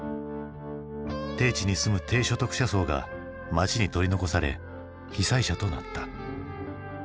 低地に住む低所得者層が街に取り残され被災者となった。